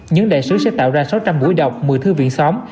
những đại sứ sẽ tạo ra sáu trăm linh buổi đọc một mươi thư viện xóm